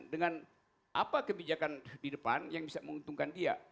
dengan apa kebijakan di depan yang bisa menguntungkan dia